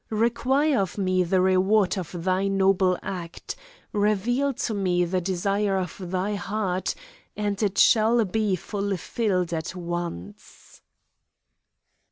Require of me the reward of thy noble act, reveal to me the desire of thy heart, and it shall be fulfilled at once."